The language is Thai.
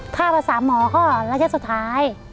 ถ้าภาษาหมอก็ระยะสุดท้าย